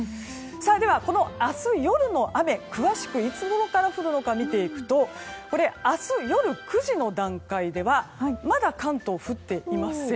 では、明日夜の雨詳しくいつごろから降るのか見ていくと明日夜９時の段階ではまだ関東、降っていません。